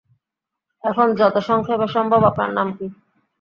এখন, যত সংক্ষেপে সম্ভব, আপনার নাম কী?